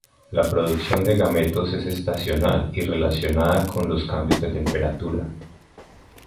La producción de gametos es estacional y relacionada con los cambios de temperatura.